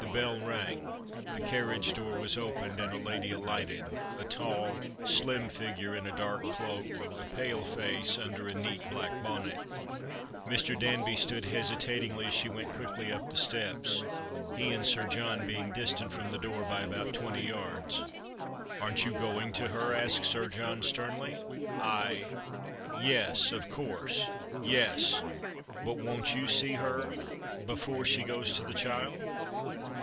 The bell rang, the carriage door was opened, and a lady alighted, a tall slim figure in a dark cloak, a pale face under a neat black bonnet. Mr. Danby stood hesitatingly as she went quickly up the steps, he and Sir John being distant from the door by about twenty yards. " Aren't you going to her ?" asked 8ir John, sternly. " I — yes — of course — yes. But won't you see her — before she goes to the child